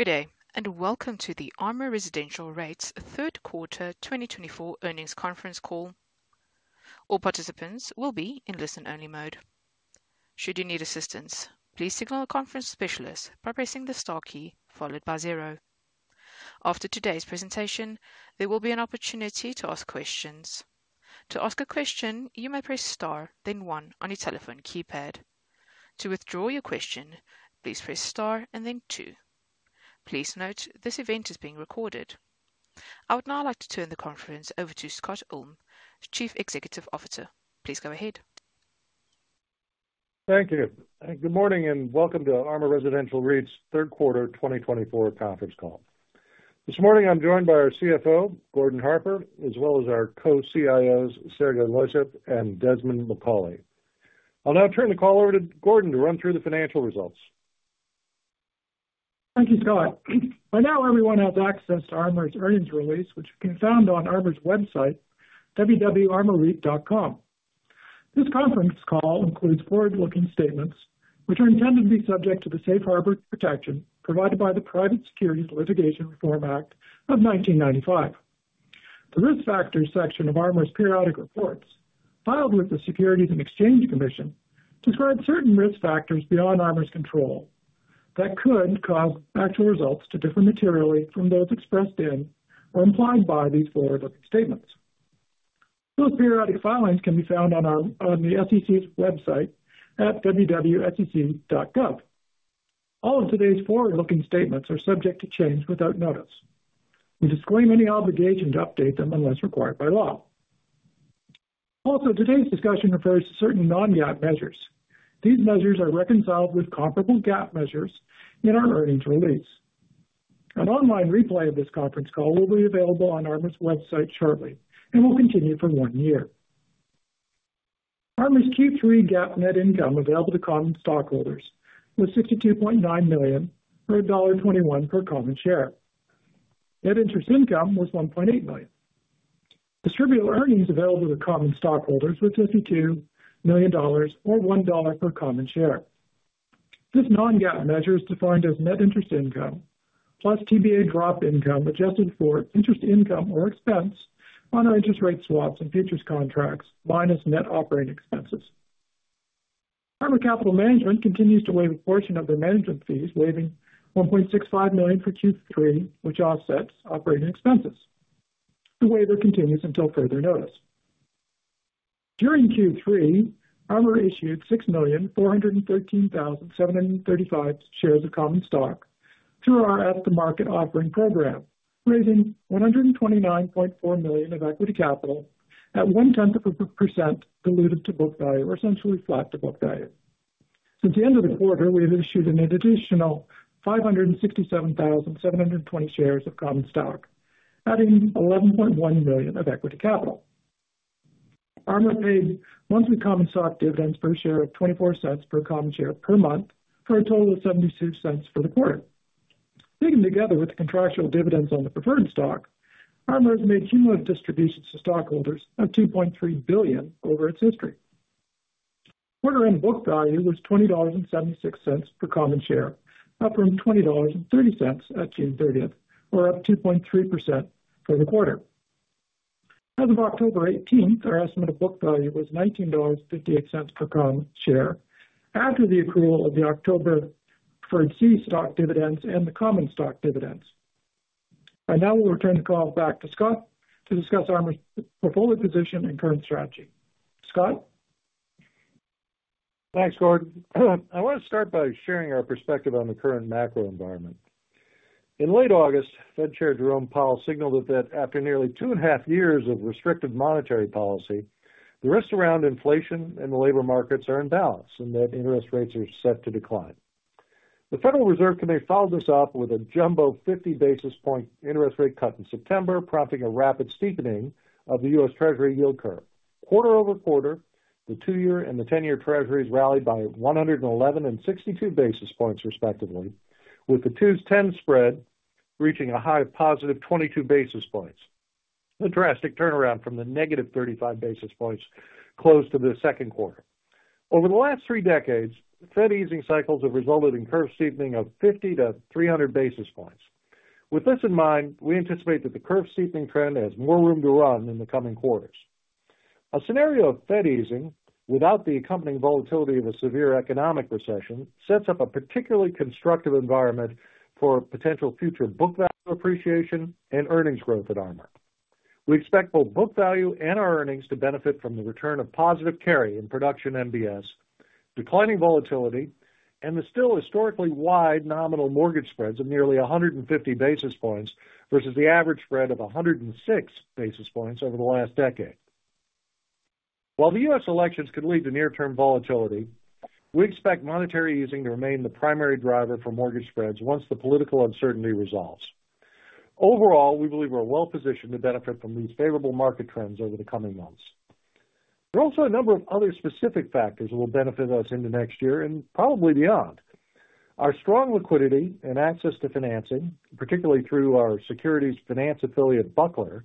Good day, and welcome to the ARMOUR Residential REIT's third quarter 2024 earnings conference call. All participants will be in listen-only mode. Should you need assistance, please signal a conference specialist by pressing the star key followed by zero. After today's presentation, there will be an opportunity to ask questions. To ask a question, you may press star, then one on your telephone keypad. To withdraw your question, please press star and then two. Please note, this event is being recorded. I would now like to turn the conference over to Scott Ulm, Chief Executive Officer. Please go ahead. Thank you, and good morning, and welcome to ARMOUR Residential REIT's third quarter 2024 conference call. This morning, I'm joined by our CFO, Gordon Harper, as well as our co-CIOs, Sergey Losyev and Desmond Macauley. I'll now turn the call over to Gordon to run through the financial results. Thank you, Scott. By now, everyone has access to ARMOUR's earnings release, which can be found on ARMOUR's website, www.armourreit.com. This conference call includes forward-looking statements, which are intended to be subject to the safe harbor protection provided by the Private Securities Litigation Reform Act of 1995. The Risk Factors section of ARMOUR's periodic reports, filed with the Securities and Exchange Commission, describe certain risk factors beyond ARMOUR's control that could cause actual results to differ materially from those expressed in or implied by these forward-looking statements. Those periodic filings can be found on the SEC's website at www.sec.gov. All of today's forward-looking statements are subject to change without notice. We disclaim any obligation to update them unless required by law. Also, today's discussion refers to certain non-GAAP measures. These measures are reconciled with comparable GAAP measures in our earnings release. An online replay of this conference call will be available on ARMOUR's website shortly and will continue for one year. ARMOUR's Q3 GAAP net income available to common stockholders was $62.9 million or $1.21 per common share. Net interest income was $1.8 million. Distributable earnings available to common stockholders was $52 million or $1 per common share. This non-GAAP measure is defined as net interest income plus TBA drop income, adjusted for interest income or expense on our interest rate swaps and futures contracts, minus net operating expenses. ARMOUR Capital Management continues to waive a portion of their management fees, waiving $1.65 million for Q3, which offsets operating expenses. The waiver continues until further notice. During Q3, ARMOUR issued 6,413,735 shares of common stock through our At-the-Market Offering program, raising $129.4 million of equity capital at 0.1% diluted to book value, or essentially flat to book value. Since the end of the quarter, we have issued an additional 567,720 shares of common stock, adding $11.1 million of equity capital. ARMOUR paid monthly common stock dividends per share of $0.24 per common share per month, for a total of $0.72 for the quarter. Taken together with the contractual dividends on the preferred stock, ARMOUR has made cumulative distributions to stockholders of $2.3 billion over its history. Quarter end book value was $20.76 per common share, up from $20.30 at June thirtieth, or up 2.3% for the quarter. As of October eighteenth, our estimate of book value was $19.58 per common share after the accrual of the October preferred C stock dividends and the common stock dividends. I now will return the call back to Scott to discuss ARMOUR's portfolio position and current strategy. Scott? Thanks, Gordon. I want to start by sharing our perspective on the current macro environment. In late August, Fed Chair Jerome Powell signaled that after nearly two and a half years of restrictive monetary policy, the risks around inflation and the labor markets are in balance and that interest rates are set to decline. The Federal Reserve committee followed this up with a jumbo 50-basis-point interest rate cut in September, prompting a rapid steepening of the U.S. Treasury yield curve. Quarter over quarter, the 2-year and the 10-year Treasuries rallied by 111 and 62 basis points, respectively, with the twos-ten spread reaching a high of positive 22 basis points, a drastic turnaround from the negative 35 basis points close to the second quarter. Over the last three decades, Fed easing cycles have resulted in curve steepening of 50-300 basis points. With this in mind, we anticipate that the curve steepening trend has more room to run in the coming quarters. A scenario of Fed easing without the accompanying volatility of a severe economic recession sets up a particularly constructive environment for potential future book value appreciation and earnings growth at ARMOUR. We expect both book value and our earnings to benefit from the return of positive carry in production MBS, declining volatility, and the still historically wide nominal mortgage spreads of nearly 150 basis points versus the average spread of 106 basis points over the last decade. While the U.S. elections could lead to near-term volatility, we expect monetary easing to remain the primary driver for mortgage spreads once the political uncertainty resolves. Overall, we believe we're well positioned to benefit from these favorable market trends over the coming months. There are also a number of other specific factors that will benefit us into next year and probably beyond. Our strong liquidity and access to financing, particularly through our securities finance affiliate, Buckler,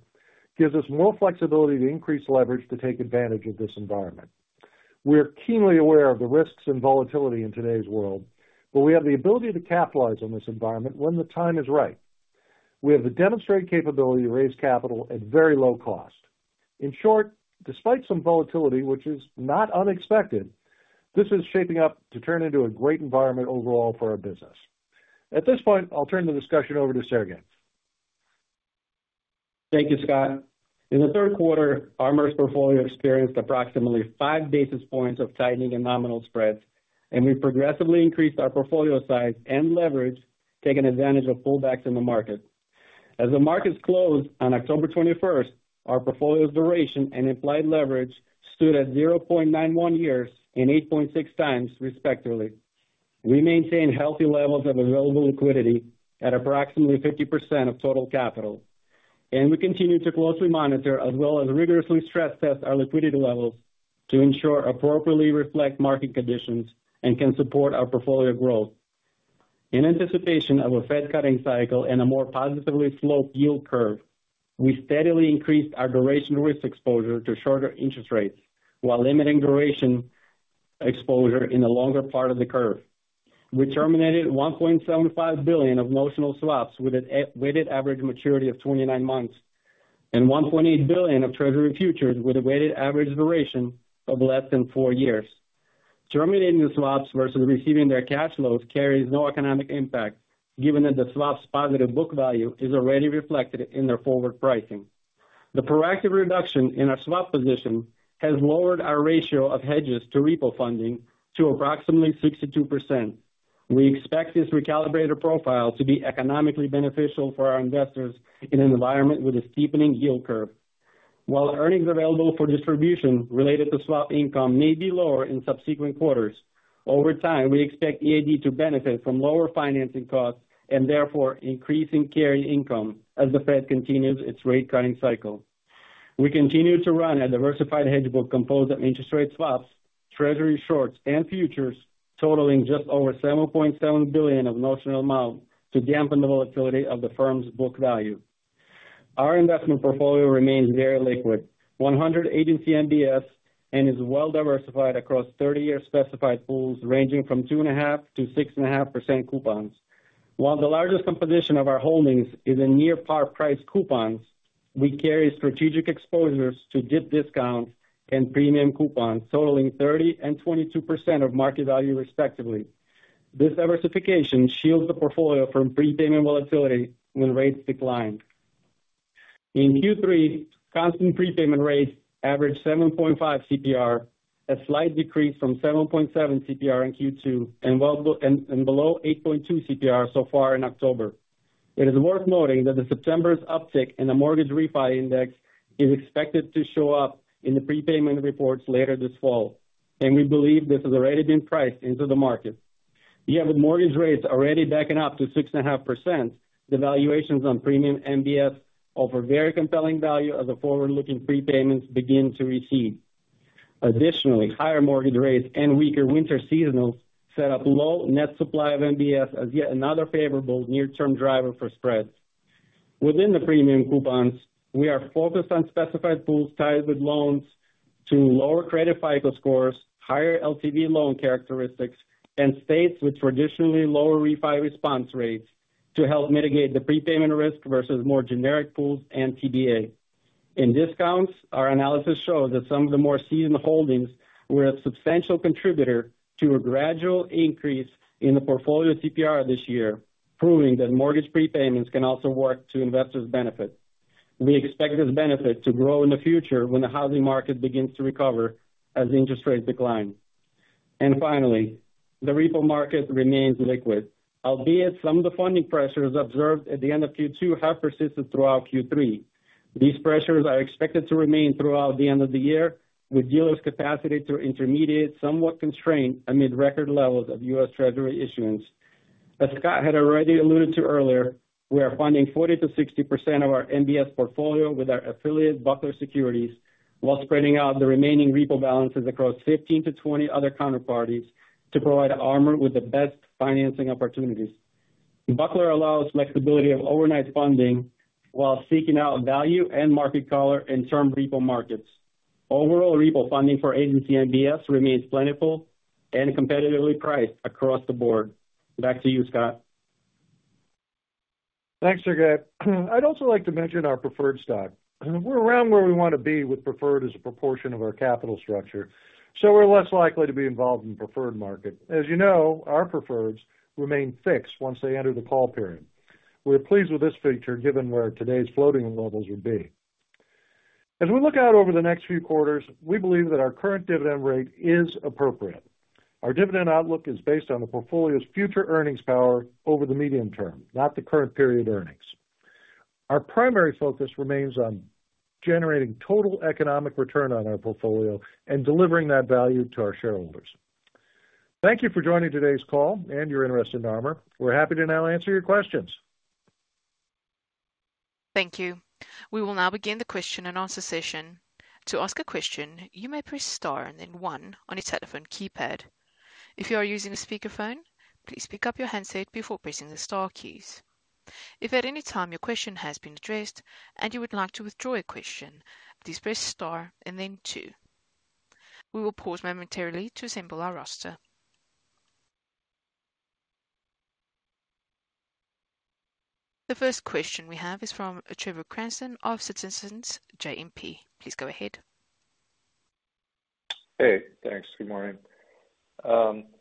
gives us more flexibility to increase leverage to take advantage of this environment. We are keenly aware of the risks and volatility in today's world, but we have the ability to capitalize on this environment when the time is right. We have the demonstrated capability to raise capital at very low cost. In short, despite some volatility, which is not unexpected, this is shaping up to turn into a great environment overall for our business. At this point, I'll turn the discussion over to Sergey. Thank you, Scott. In the third quarter, our MBS portfolio experienced approximately five basis points of tightening and nominal spreads, and we progressively increased our portfolio size and leverage, taking advantage of pullbacks in the market. As the markets closed on October twenty-first, our portfolio's duration and implied leverage stood at 0.91 years and 8.6 times, respectively. We maintained healthy levels of available liquidity at approximately 50% of total capital, and we continue to closely monitor as well as rigorously stress test our liquidity levels to ensure appropriately reflect market conditions and can support our portfolio growth. In anticipation of a Fed cutting cycle and a more positively sloped yield curve, we steadily increased our duration risk exposure to shorter interest rates, while limiting duration exposure in the longer part of the curve. We terminated $1.75 billion of notional swaps with a weighted average maturity of 29 months and $1.8 billion of Treasury futures with a weighted average duration of less than 4 years. Terminating the swaps versus receiving their cash flows carries no economic impact, given that the swaps' positive book value is already reflected in their forward pricing. The proactive reduction in our swap position has lowered our ratio of hedges to repo funding to approximately 62%. We expect this recalibrated profile to be economically beneficial for our investors in an environment with a steepening yield curve. While earnings available for distribution related to swap income may be lower in subsequent quarters, over time, we expect EAD to benefit from lower financing costs and therefore increasing carry income as the Fed continues its rate cutting cycle. We continue to run a diversified hedge book composed of interest rate swaps, Treasury shorts, and futures totaling just over $7.7 billion of notional amount to dampen the volatility of the firm's book value. Our investment portfolio remains very liquid, 100% agency MBS, and is well diversified across 30-year specified pools, ranging from 2.5% to 6.5% coupons. While the largest composition of our holdings is in near par price coupons, we carry strategic exposures to deep discounts and premium coupons totaling 30% and 22% of market value, respectively. This diversification shields the portfolio from prepayment volatility when rates decline. In Q3, constant prepayment rates averaged 7.5 CPR, a slight decrease from 7.7 CPR in Q2 and well below 8.2 CPR so far in October. It is worth noting that the September's uptick in the mortgage refi index is expected to show up in the prepayment reports later this fall, and we believe this has already been priced into the market. Yet with mortgage rates already backing up to 6.5%, the valuations on premium MBS offer very compelling value as the forward-looking prepayments begin to recede. Additionally, higher mortgage rates and weaker winter seasonals set up low net supply of MBS as yet another favorable near-term driver for spreads. Within the premium coupons, we are focused on specified pools tied with loans to lower credit FICO scores, higher LTV loan characteristics, and states with traditionally lower refi response rates to help mitigate the prepayment risk versus more generic pools and TBA. In discounts, our analysis shows that some of the more seasoned holdings were a substantial contributor to a gradual increase in the portfolio CPR this year, proving that mortgage prepayments can also work to investors' benefit. We expect this benefit to grow in the future when the housing market begins to recover as interest rates decline. And finally, the repo market remains liquid, albeit some of the funding pressures observed at the end of Q2 have persisted throughout Q3. These pressures are expected to remain throughout the end of the year, with dealers' capacity to intermediate somewhat constrained amid record levels of U.S. Treasury issuance. As Scott had already alluded to earlier, we are funding 40%-60% of our MBS portfolio with our affiliate, Buckler Securities, while spreading out the remaining repo balances across 15-20 other counterparties to provide ARMOUR with the best financing opportunities. Buckler allows flexibility of overnight funding while seeking out value and market color in term repo markets. Overall, repo funding for agency MBS remains plentiful and competitively priced across the board. Back to you, Scott. Thanks, Sergey. I'd also like to mention our preferred stock. We're around where we want to be with preferred as a proportion of our capital structure, so we're less likely to be involved in preferred market. As you know, our preferreds remain fixed once they enter the call period. We're pleased with this feature, given where today's floating levels would be. As we look out over the next few quarters, we believe that our current dividend rate is appropriate. Our dividend outlook is based on the portfolio's future earnings power over the medium term, not the current period earnings. Our primary focus remains on generating total economic return on our portfolio and delivering that value to our shareholders. Thank you for joining today's call and your interest in ARMOUR. We're happy to now answer your questions. Thank you. We will now begin the question and answer session. To ask a question, you may press star and then one on your telephone keypad. If you are using a speakerphone, please pick up your handset before pressing the star keys. If at any time your question has been addressed and you would like to withdraw a question, please press star and then two. We will pause momentarily to assemble our roster. The first question we have is from Trevor Cranston of Citizens JMP. Please go ahead. Hey, thanks. Good morning. You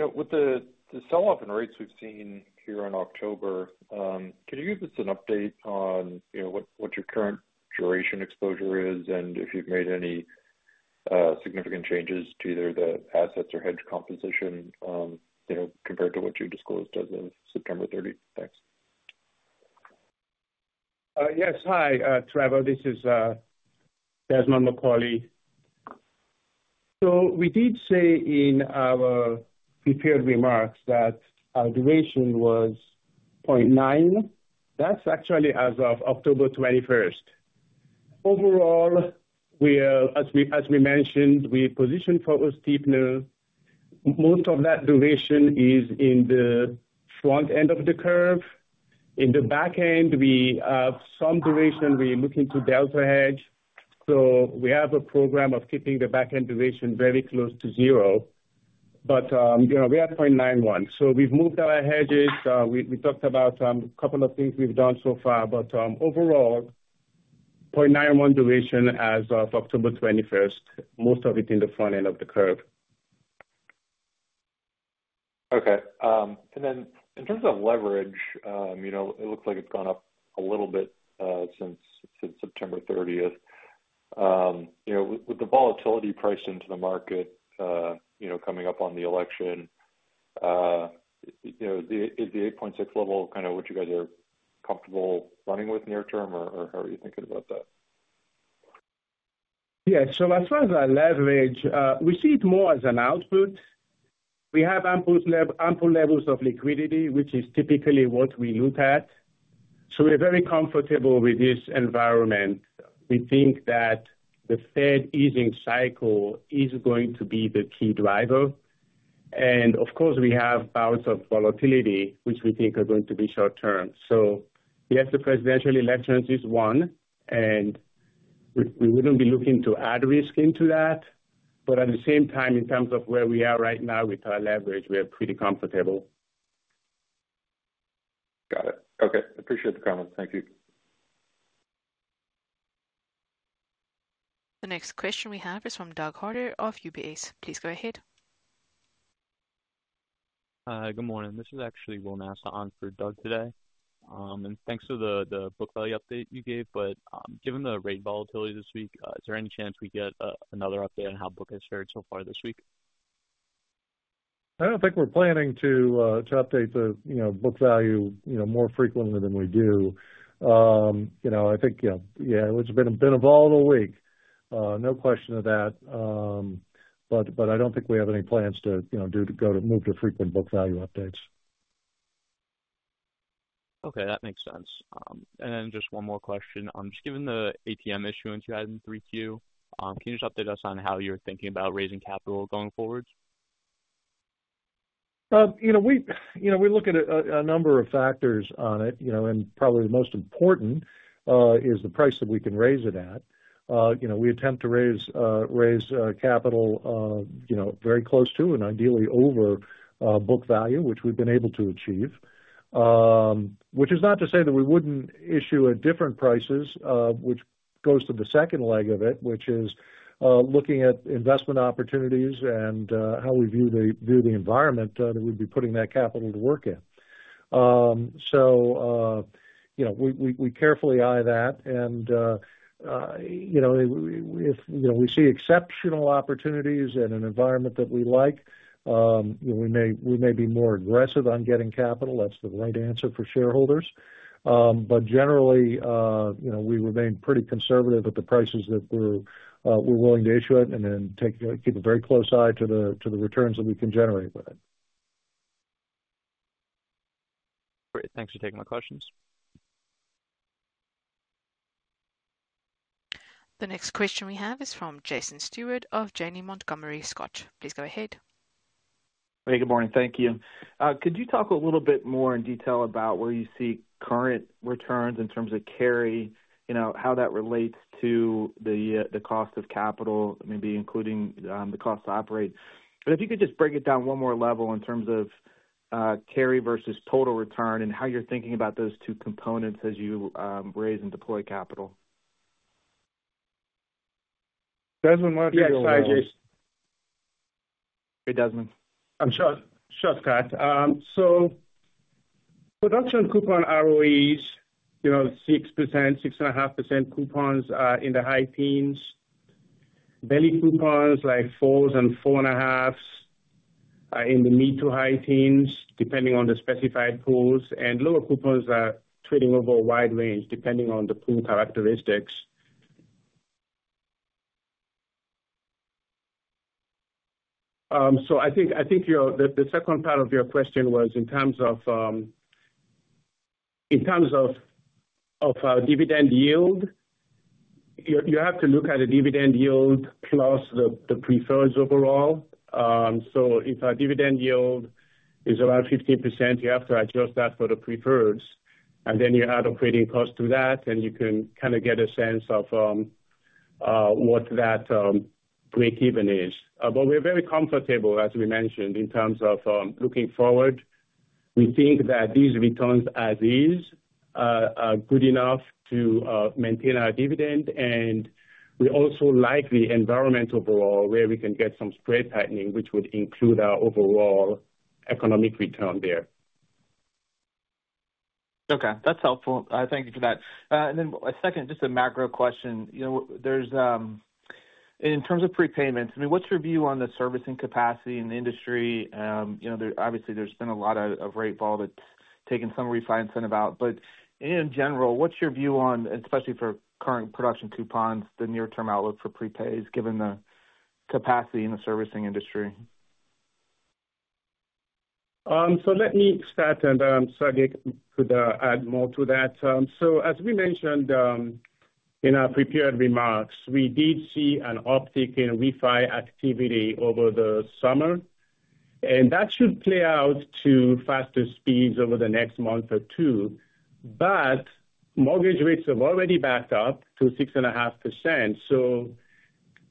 know, with the sell-off and rates we've seen here in October, can you give us an update on, you know, what your current duration exposure is, and if you've made any significant changes to either the assets or hedge composition, you know, compared to what you disclosed as of September 30? Thanks. Yes. Hi, Trevor, this is Desmond Macauley. So we did say in our prepared remarks that our duration was point nine. That's actually as of October twenty-first. Overall, we are, as we mentioned, we positioned for a steepener. Most of that duration is in the front end of the curve. In the back end, we have some duration. We look into delta hedge, so we have a program of keeping the back-end duration very close to zero, but, you know, we are point nine one, so we've moved our hedges. We talked about a couple of things we've done so far, but, overall, point nine one duration as of October twenty-first, most of it in the front end of the curve. Okay, and then in terms of leverage, you know, it looks like it's gone up a little bit, since September thirtieth. You know, with the volatility priced into the market, you know, coming up on the election, you know, is the eight point six level kind of what you guys are comfortable running with near term, or how are you thinking about that? Yeah. So as far as our leverage, we see it more as an output. We have ample levels of liquidity, which is typically what we look at. So we're very comfortable with this environment. We think that the Fed easing cycle is going to be the key driver. Of course, we have bouts of volatility, which we think are going to be short-term. Yes, the presidential elections is one, and we wouldn't be looking to add risk into that. But at the same time, in terms of where we are right now with our leverage, we are pretty comfortable. Got it. Okay. Appreciate the comments. Thank you. The next question we have is from Doug Harter of UBS. Please go ahead. Good morning. This is actually Will Nance on for Doug today. Thanks for the book value update you gave, but given the rate volatility this week, is there any chance we get another update on how book has fared so far this week? I don't think we're planning to update the, you know, book value, you know, more frequently than we do. You know, I think, yeah, it's been a volatile week, no question of that. But I don't think we have any plans to, you know, do to go to move to frequent book value updates. Okay, that makes sense, and then just one more question. Just given the ATM issuance you had in 3Q, can you just update us on how you're thinking about raising capital going forward? You know, we, you know, we look at a number of factors on it, you know, and probably the most important is the price that we can raise it at. You know, we attempt to raise capital, you know, very close to and ideally over book value, which we've been able to achieve. Which is not to say that we wouldn't issue at different prices, which goes to the second leg of it, which is looking at investment opportunities and how we view the environment that we'd be putting that capital to work in. So, you know, we carefully eye that, and, you know, if we see exceptional opportunities in an environment that we like, we may be more aggressive on getting capital. That's the right answer for shareholders. But generally, you know, we remain pretty conservative at the prices that we're willing to issue it and then keep a very close eye on the returns that we can generate with it. Great. Thanks for taking my questions. The next question we have is from Jason Stewart of Janney Montgomery Scott. Please go ahead. Hey, good morning. Thank you. Could you talk a little bit more in detail about where you see current returns in terms of carry, you know, how that relates to the cost of capital, maybe including the cost to operate? But if you could just break it down one more level in terms of carry versus total return and how you're thinking about those two components as you raise and deploy capital. Desmond, why don't you go ahead? Yeah, hi, Jason. Hey, Desmond. Sure. Sure, Scott. So production coupon ROEs, you know, 6%, 6.5% coupons are in the high teens. Belly coupons, like fours and four and a halfs, are in the mid to high teens, depending on the specified pools, and lower coupons are trading over a wide range, depending on the pool characteristics. So I think your the second part of your question was in terms of, in terms of, dividend yield? You have to look at the dividend yield plus the preferreds overall. So if our dividend yield is around 15%, you have to adjust that for the preferreds, and then you add a hedging cost to that, and you can kind of get a sense of, what that breakeven is. But we're very comfortable, as we mentioned, in terms of looking forward. We think that these returns as is are good enough to maintain our dividend, and we also like the environment overall, where we can get some spread tightening, which would include our overall economic return there. Okay, that's helpful. Thank you for that. And then a second, just a macro question: you know, in terms of prepayments, I mean, what's your view on the servicing capacity in the industry? You know, there obviously has been a lot of rate fall that's taken some refinancing about. But in general, what's your view on, especially for current production coupons, the near-term outlook for prepays, given the capacity in the servicing industry? Let me start, and Sadek could add more to that. As we mentioned, in our prepared remarks, we did see an uptick in refi activity over the summer, and that should play out to faster speeds over the next month or two. But mortgage rates have already backed up to 6.5%, so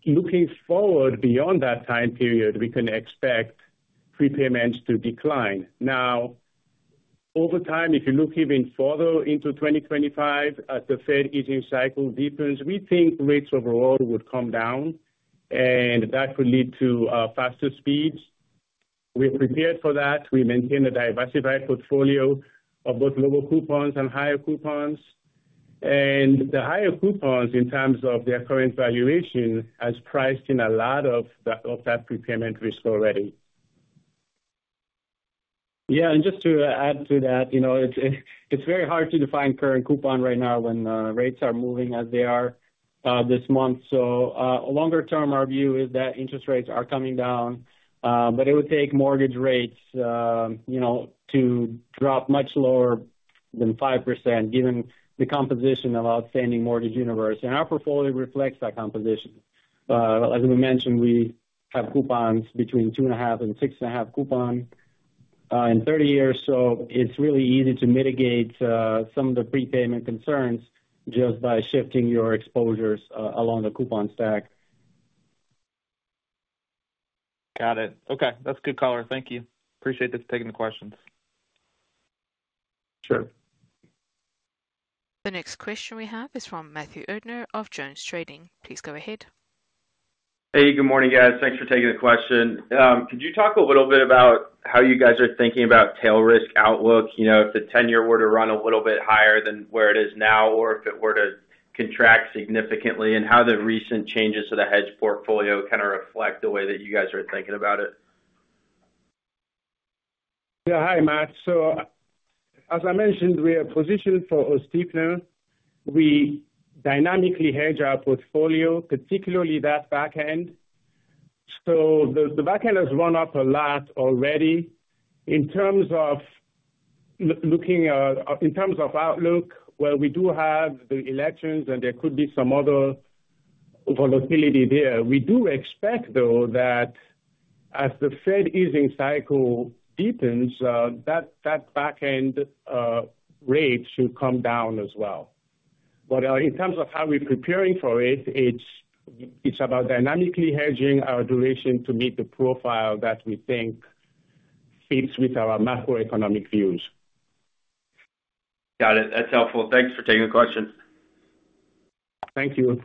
looking forward beyond that time period, we can expect prepayments to decline. Now, over time, if you look even further into 2025, as the Fed easing cycle deepens, we think rates overall would come down, and that could lead to faster speeds. We're prepared for that. We maintain a diversified portfolio of both lower coupons and higher coupons. The higher coupons, in terms of their current valuation, has priced in a lot of that prepayment risk already. Yeah, and just to add to that, you know, it's, it's very hard to define current coupon right now when rates are moving as they are this month. So, longer term, our view is that interest rates are coming down, but it would take mortgage rates, you know, to drop much lower than 5%, given the composition of outstanding mortgage universe. And our portfolio reflects that composition. As we mentioned, we have coupons between two and a half and six and a half coupon in thirty years, so it's really easy to mitigate some of the prepayment concerns just by shifting your exposures along the coupon stack. Got it. Okay, that's a good caller. Thank you. Appreciate you taking the questions. Sure. The next question we have is from Matthew Erdner of JonesTrading. Please go ahead. Hey, good morning, guys. Thanks for taking the question. Could you talk a little bit about how you guys are thinking about tail risk outlook? You know, if the ten-year were to run a little bit higher than where it is now, or if it were to contract significantly, and how the recent changes to the hedge portfolio kind of reflect the way that you guys are thinking about it. Yeah. Hi, Matt. So as I mentioned, we are positioned for a steepen. We dynamically hedge our portfolio, particularly that back end. So the back end has run up a lot already. In terms of outlook, well, we do have the elections, and there could be some other volatility there. We do expect, though, that as the Fed easing cycle deepens, that back end rate should come down as well. But in terms of how we're preparing for it, it's about dynamically hedging our duration to meet the profile that we think fits with our macroeconomic views. Got it. That's helpful. Thanks for taking the question. Thank you.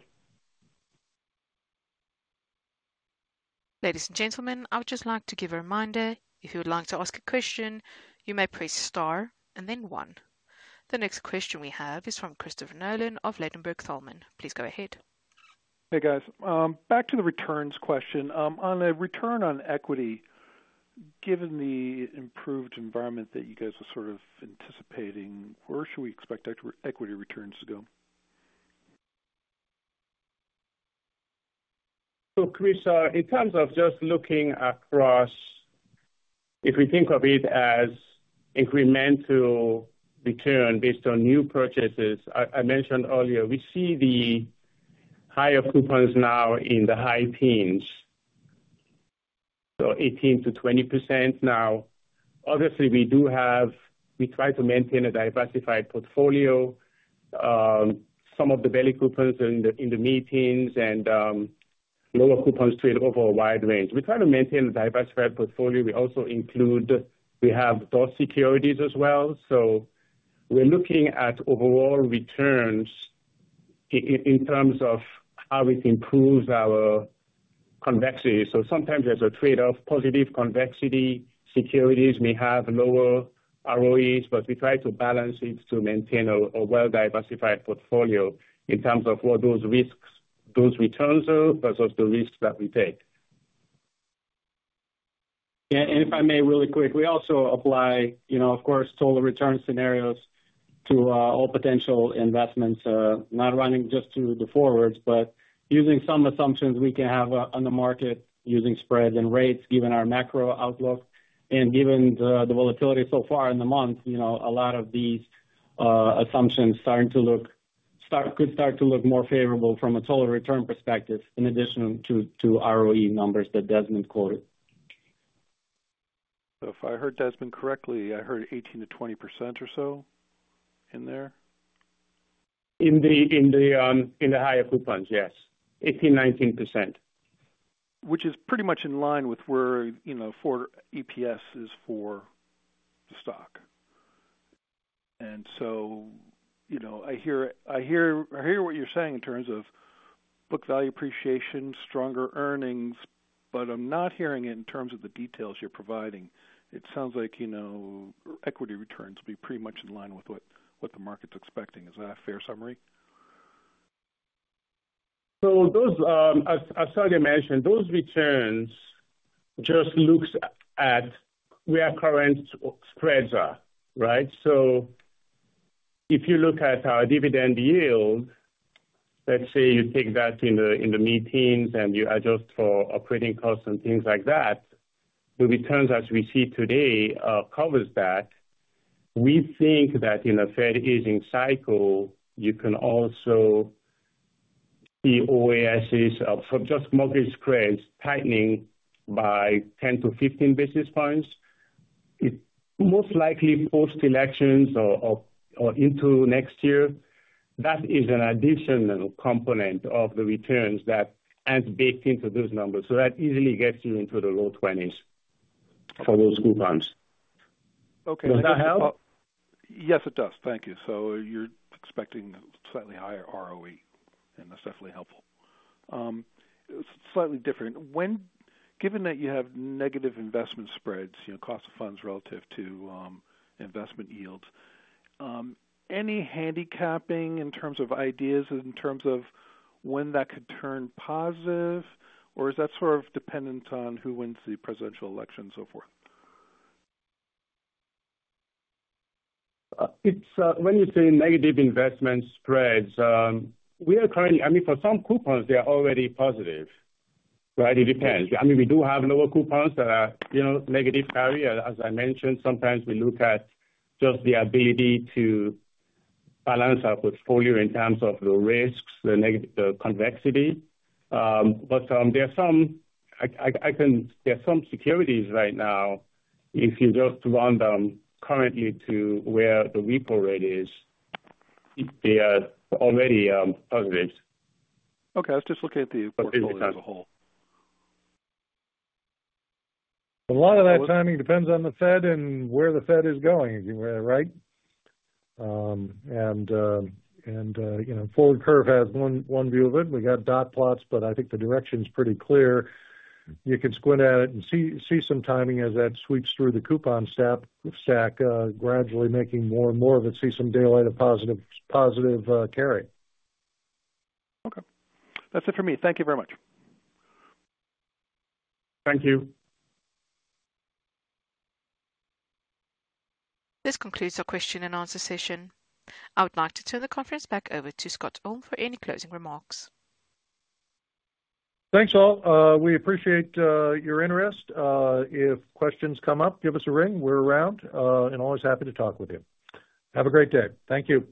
Ladies and gentlemen, I would just like to give a reminder. If you would like to ask a question, you may press star and then one. The next question we have is from Christopher Nolan of Ladenburg Thalmann. Please go ahead. Hey, guys. Back to the returns question. On the return on equity, given the improved environment that you guys are sort of anticipating, where should we expect equity returns to go? So, Chris, in terms of just looking across, if we think of it as incremental return based on new purchases, I mentioned earlier, we see the higher coupons now in the high teens, so 18%-20% now. Obviously, we do have. We try to maintain a diversified portfolio. Some of the belly coupons in the mid-teens and lower coupons trade over a wide range. We try to maintain a diversified portfolio. We also include, we have those securities as well. So we're looking at overall returns in terms of how it improves our convexity. Sometimes there's a trade-off. Positive convexity securities may have lower ROEs, but we try to balance it to maintain a well-diversified portfolio in terms of what those risks, those returns are, versus the risks that we take. Yeah, and if I may, really quick, we also apply, you know, of course, total return scenarios to all potential investments. Not running just through the forwards, but using some assumptions we can have on the market, using spreads and rates, given our macro outlook. And given the volatility so far in the month, you know, a lot of these assumptions could start to look more favorable from a total return perspective, in addition to ROE numbers that Desmond quoted.... So if I heard Desmond correctly, I heard 18%-20% or so in there? In the higher coupons, yes. 18%-19%. Which is pretty much in line with where, you know, forward EPS is for the stock. And so, you know, I hear what you're saying in terms of book value appreciation, stronger earnings, but I'm not hearing it in terms of the details you're providing. It sounds like, you know, equity returns will be pretty much in line with what the market's expecting. Is that a fair summary? Those, as Sergei mentioned, those returns just looks at where current spreads are, right? If you look at our dividend yield, let's say you take that in the mid-teens, and you adjust for operating costs and things like that, the returns as we see today covers that. We think that in a fair easing cycle, you can also see OASs of, for just mortgage credits tightening by 10 to 15 basis points. It most likely post-elections or into next year. That is an additional component of the returns that adds baked into those numbers. That easily gets you into the low twenties for those coupons. Okay. Does that help? Yes, it does. Thank you. So you're expecting a slightly higher ROE, and that's definitely helpful. Slightly different. Given that you have negative investment spreads, you know, cost of funds relative to investment yields, any handicapping in terms of ideas, in terms of when that could turn positive? Or is that sort of dependent on who wins the presidential election and so forth? It's when you say negative investment spreads, we are currently. I mean, for some coupons, they are already positive, right? It depends. I mean, we do have lower coupons that are, you know, negative carry. As I mentioned, sometimes we look at just the ability to balance our portfolio in terms of the risks, the negative convexity. But there are some securities right now, if you just run them currently to where the repo rate is, they are already positive. Okay, I was just looking at the portfolio as a whole. A lot of that timing depends on the Fed and where the Fed is going, right? And, you know, forward curve has one view of it. We got dot plots, but I think the direction's pretty clear. You can squint at it and see some timing as that sweeps through the coupon stack, gradually making more and more of it, see some daylight of positive carry. Okay. That's it for me. Thank you very much. Thank you. This concludes our question and answer session. I would like to turn the conference back over to Scott Ulm for any closing remarks. Thanks, all. We appreciate your interest. If questions come up, give us a ring. We're around and always happy to talk with you. Have a great day. Thank you.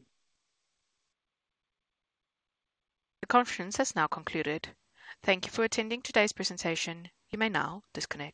The conference has now concluded. Thank you for attending today's presentation. You may now disconnect.